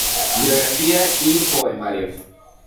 Biografía y Poemario".